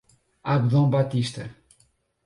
Abdon Batista